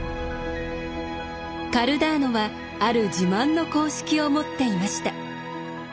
カルダーノはある自慢の公式を持っていました。